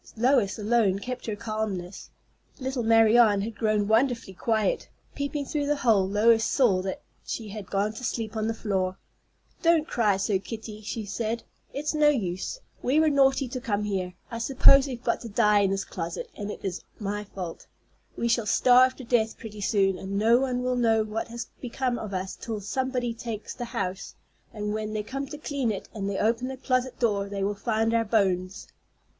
Lois alone kept her calmness. Little Marianne had grown wonderfully quiet. Peeping through the hole, Lois saw that she had gone to sleep on the floor. "Don't cry so, Kitty," she said. "It's no use. We were naughty to come here. I suppose we've got to die in this closet, and it is my fault. We shall starve to death pretty soon, and no one will know what has become of us till somebody takes the house; and when they come to clean it and they open the closet door, they will find our bones."